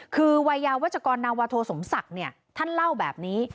คือวัยยาวัชกรนาวาโทสมศักดิ์เนี่ยท่านเล่าแบบนี้